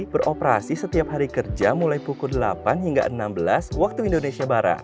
beroperasi setiap hari kerja mulai pukul delapan hingga enam belas waktu indonesia barat